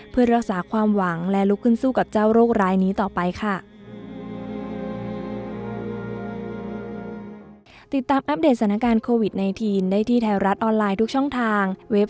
เพื่อรักษาความหวังและลุกขึ้นสู้กับเจ้าโรคร้ายนี้ต่อไปค่ะ